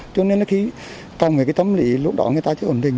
cho nên là khi còn cái tâm lý lúc đó người ta chưa ổn định